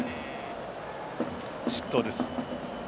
失投です。